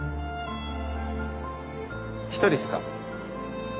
１人っすか？